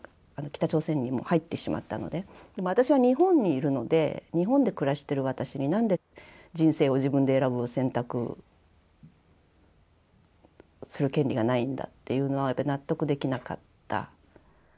北朝鮮にもう入ってしまったのででも私は日本にいるので日本で暮らしてる私に何で人生を自分で選ぶ選択する権利がないんだっていうのは納得できなかった。